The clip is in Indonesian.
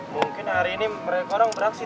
mungkin hari ini orang beraksi